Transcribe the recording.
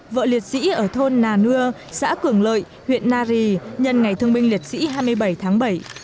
vợ liệt sĩ ở thôn nà nưa xã cường lợi huyện nari nhân ngày thương binh liệt sĩ hai mươi bảy tháng bảy